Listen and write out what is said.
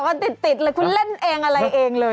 ต่อก็ติดติดเลยคุณเล่นเองอะไรเองเลย